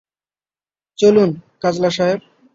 চলুন, কাজলা সাহেব।